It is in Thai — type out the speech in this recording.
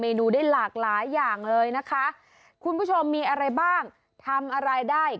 นูได้หลากหลายอย่างเลยนะคะคุณผู้ชมมีอะไรบ้างทำอะไรได้